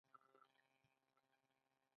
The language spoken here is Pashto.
ډیری نفوس یې په ښارونو کې دی.